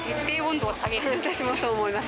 私もそう思います。